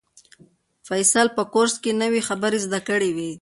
فیصل په کورس کې نوې خبرې زده کړې وې.